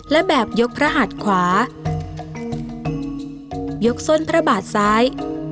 และแบบยกพระหัดขวายกส้นพระบาทซ้าย